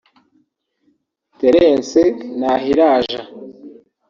Therence Ntahiraja